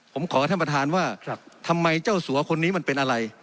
ผมขอท่านประธานว่าทำไมเจ้าสัวคนนี้มันเป็นอะไร